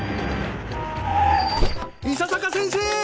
伊佐坂先生！